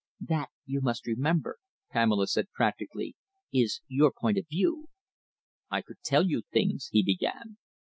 "That, you must remember," Pamela said practically, "is your point of view." "I could tell you things " he began.